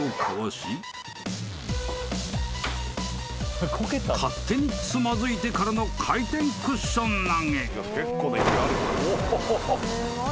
［勝手につまずいてからの回転クッション投げ］